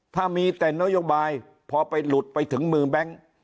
ถ้ามีแต่นโยบายพอไปหลุดไปถึงมือแบงค์